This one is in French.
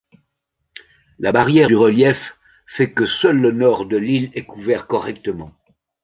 La barrière du relief fait que seul le nord de l’île est couvert correctement.